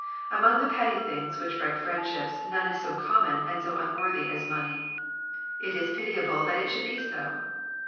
Among the petty things which wreck friendships, none is so common and so unworthy as money. It is pitiable that It should be so.